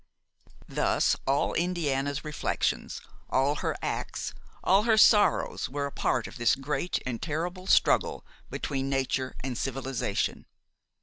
Thus all Indiana's reflections, all her acts, all her sorrows were a part of this great and terrible struggle between nature and civilization.